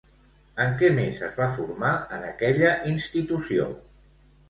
En què més es va formar en aquella institució?